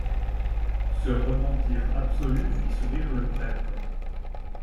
Ce repentir absolu fit sourire le prêtre.